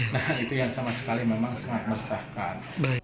nah itu yang sama sekali memang sangat meresahkan